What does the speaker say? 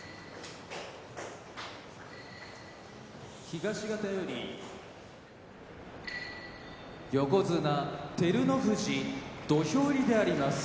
東方より横綱照ノ富士土俵入りであります。